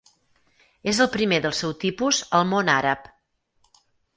És el primer del seu tipus al món àrab.